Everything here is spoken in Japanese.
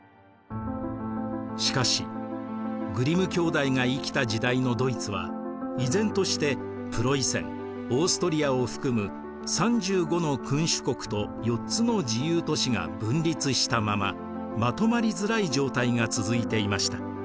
しかしグリム兄弟が生きた時代のドイツは依然としてプロイセンオーストリアを含む３５の君主国と４つの自由都市が分立したまままとまりづらい状態が続いていました。